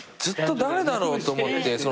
ずっと誰だろうと思って。